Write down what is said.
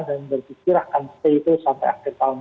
dan berpikir akan stay itu sampai akhir tahun